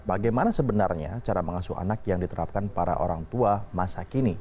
bagaimana sebenarnya cara mengasuh anak yang diterapkan para orang tua masa kini